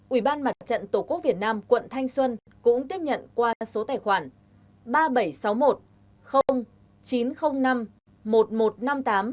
ủy ban mặt trận tổ quốc việt nam quận thanh xuân cũng tiếp nhận qua số tài khoản